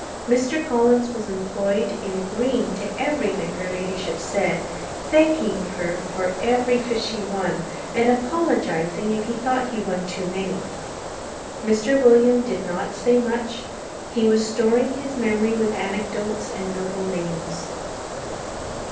Mr. Collins was employed in agreeing to everything her Ladyship said, thanking her for every fish he won, and apologizing if he thought he won too many. Sir William did not say much. He was storing his memory with anecdotes and noble names.